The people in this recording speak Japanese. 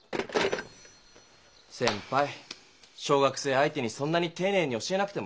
先ぱい小学生相手にそんなにていねいに教えなくても。